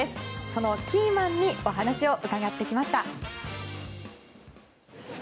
そのキーマンにお話を伺ってきました。